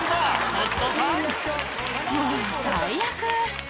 もう最悪。